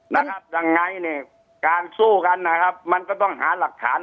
นะครับยังไงเนี่ยการสู้กันนะครับมันก็ต้องหาหลักฐาน